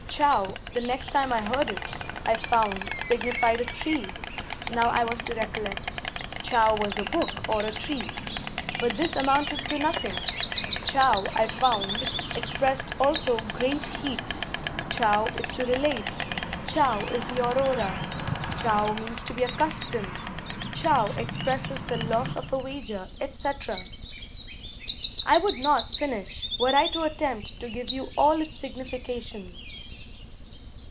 Chou, the next time I heard it, I found signified a tree. Now I was to recollect; chou was a book or a tree. But this amounted to nothing; chou, I found, expressed also great heats; chou is to relate; chou is the Aurora; chou means to be accustomed; chou expresses the loss of a wager, &c. I should not finish, were I to attempt to give you all its significations.